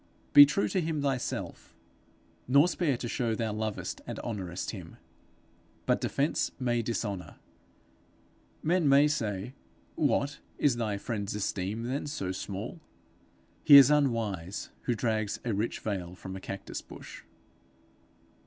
Be true to him thyself, nor spare to show thou lovest and honourest him; but defence may dishonour: men may say, What! is thy friend's esteem then so small? He is unwise who drags a rich veil from a cactus bush.